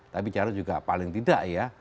tapi jarod juga paling tidak ya